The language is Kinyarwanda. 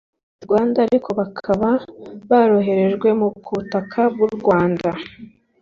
rwanda ariko bakaba baroherejwe ku butaka bw’u rwanda